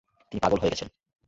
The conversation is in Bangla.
তিনি পাগল হয়ে গেছেন।